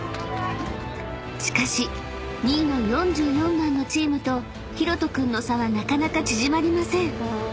［しかし２位の４４番のチームとひろと君の差はなかなか縮まりません］